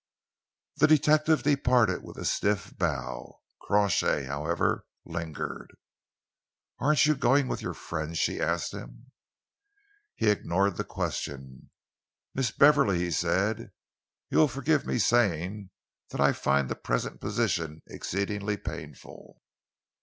The detective departed with a stiff bow. Crawshay, however, lingered. "Aren't you going with your friend?" she asked him. He ignored the question. "Miss Beverley," he said, "you will forgive me saying that I find the present position exceedingly painful."